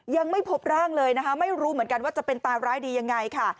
ยังไม่พบร่างเลยนะคะไม่รู้เหมือนกันว่าจะเป็นตายร้ายดียังไงค่ะ